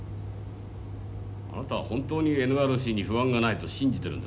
あなたは本当にＮＲＣに不安がないと信じてるんですか？